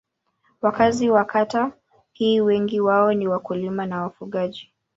Wakazi wa kata hii wengi wao ni wakulima na wafugaji.